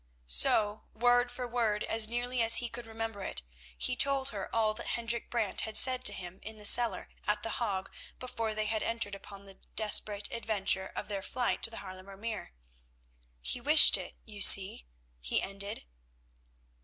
So word for word, as nearly as he could remember it, he told her all that Hendrik Brant had said to him in the cellar at The Hague before they had entered upon the desperate adventure of their flight to the Haarlemer Meer. "He wished it, you see," he ended.